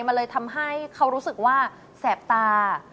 มันเลยทำให้เขารู้สึกว่าแสบตา